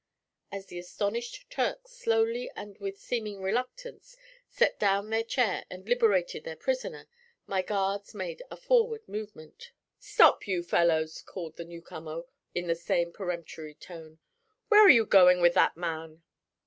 As the astonished Turks slowly and with seeming reluctance set down their chair and liberated their prisoner, my guards made a forward movement. 'Stop, you fellows!' called the newcomer, in the same peremptory tone. 'Where are you going with that man?'